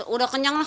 udah kenyang lah